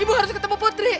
ibu harus ketemu putri